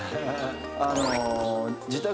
あの。